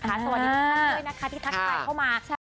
สวัสดีทุกท่านด้วยนะคะที่ทักทายเข้ามา